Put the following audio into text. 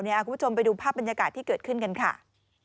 คุณผู้ชมไปดูภาพบรรยากาศที่เกิดขึ้นกันค่ะ